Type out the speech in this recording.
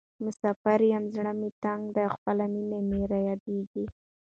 مسافر یم زړه مې تنګ ده او خپله مینه مې رایادیزې.